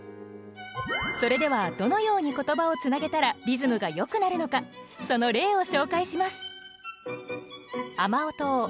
それではどのように言葉をつなげたらリズムがよくなるのかその例を紹介します。